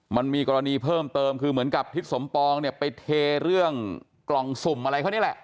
มันมีกรณีเพิ่มเติมคือเหมือนกับทิศสมปองเนี่ยไปเทเรื่องกล่องสุ่มอะไรเขานี่แหละ